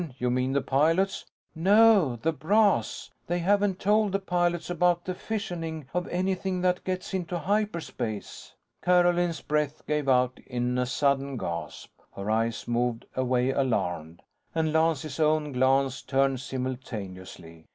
You mean, the pilots?" "No, the brass. They haven't told the pilots about the fissioning of anything that gets into hyperspace " Carolyn's breath gave out in a sudden gasp. Her eyes moved away alarmed, and Lance's own glance turned simultaneously.